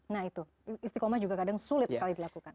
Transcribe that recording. nah itu istiqomah juga kadang sulit sekali dilakukan